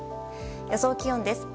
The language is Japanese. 予想気温です。